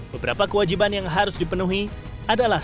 beberapa kewajiban yang harus dipenuhi adalah